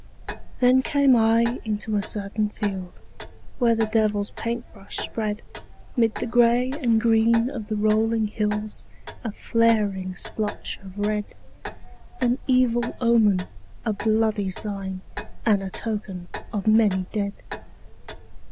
Then came I into a certain field Where the devil's paint brush spread 'Mid the gray and green of the rolling hills A flaring splotch of red, An evil omen, a bloody sign, And a token of many dead.